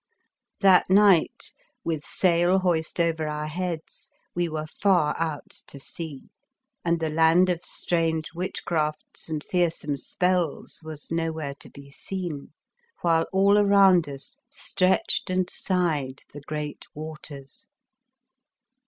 That night, with sail hoist over our heads, we were far out to sea, and the land of strange witchcrafts and fear some spells was nowheres to be seen, 134 The Fearsome Island while all around us stretched and sighed the great waters.